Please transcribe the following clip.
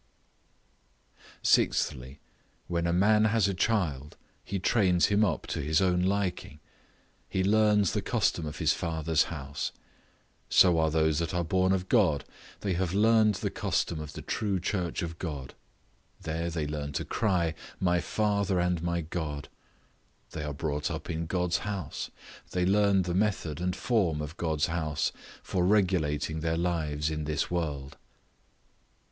Sixthly, When a man has a child, he trains him up to his own liking, he learns the custom of his father's house; so are those that are born of God; they have learned the custom of the true church of God, there they learn to cry, My Father and my God; they are brought up in God's house, they learn the method and form of God's house for regulating their lives in this world.